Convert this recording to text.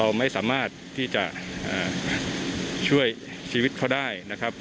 เราไม่สามารถที่จะช่วยชีวิตเขาได้นะครับ